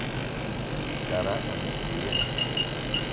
Tara a ne do ya?